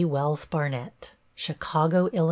Wells Barnett, Chicago, Ill.